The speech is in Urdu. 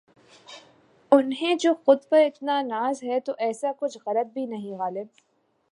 انہیں جو خود پر اتنا ناز ہے تو ایسا کچھ غلط بھی نہیں غالب